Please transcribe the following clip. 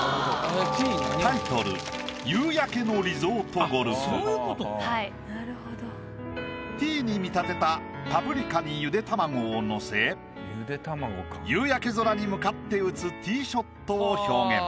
タイトルティーに見立てたパプリカにゆで卵をのせ夕焼け空に向かって打つティーショットを表現。